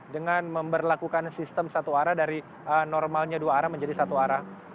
dengan memperlakukan sistem satu arah dari normalnya dua arah menjadi satu arah